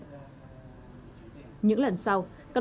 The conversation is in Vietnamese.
những lần sau các đồng chí đã truyền trả đầy đủ như cam kết